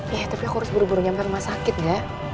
iya tapi aku harus buru buru nyetir biar gak sakit enggak